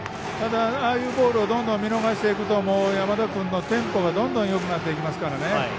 ああいうボールをどんどん見逃していくと山田君のテンポがどんどんよくなってきますから。